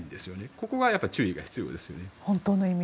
ここが注意が必要ですよね。